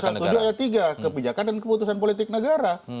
atau pakai kebijakan dan keputusan politik negara